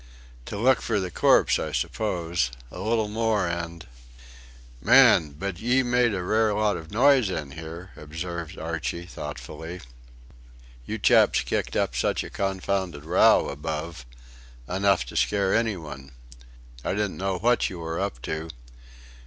to look for the corpse, I suppose. A little more and..." "Man! But ye made a rare lot of noise in here," observed Archie, thoughtfully. "You chaps kicked up such a confounded row above.... Enough to scare any one.... I didn't know what you were up to....